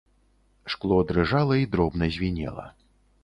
Шкло дрыжала і дробна звінела.